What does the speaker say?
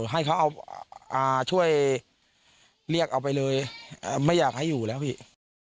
ให้เขาเอาช่วยเรียกเอาไปเลยไม่อยากให้อยู่แล้วพี่